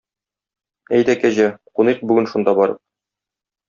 Әйдә, Кәҗә, куныйк бүген шунда барып.